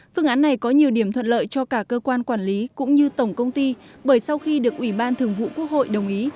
phương án này có nhiều điểm thuận lợi cho cả cơ quan quản lý cũng như tổng công ty bởi sau khi được ủy ban thường vụ quốc hội đồng ý